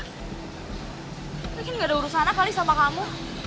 mungkin gak ada urusannya kali sama kamu